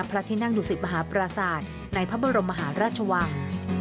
นับพระที่นั่งอยู่สิบมหาประสาทในพระบรมมหาราชวัง